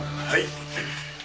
はい。